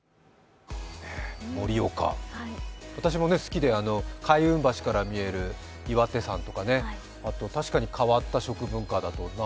盛岡、私も好きで開運橋から見える岩手山とかね、あと確かに変わった食文化だと。